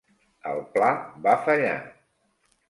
El pla va fallar.